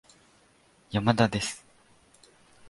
山田です